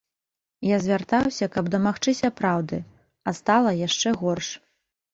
Я звяртаўся, каб дамагчыся праўды, а стала яшчэ горш.